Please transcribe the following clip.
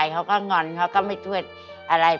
เขาก็งอนเขาก็ไม่ถวดอะไร